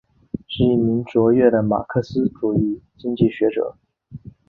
是一名卓越的马克思主义经济学者。